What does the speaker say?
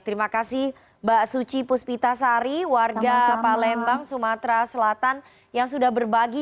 terima kasih mbak suci puspita sari warga palembang sumatera selatan yang sudah berbagi